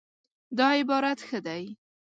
دا عبارت ښه دی